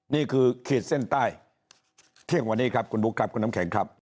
ขีดเส้นใต้เที่ยงวันนี้ครับคุณบุ๊คครับคุณน้ำแข็งครับ